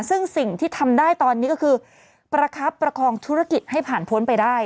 ซึ่งสิ่งที่ทำได้ตอนนี้ก็คือประคับประคองธุรกิจให้ผ่านพ้นไปได้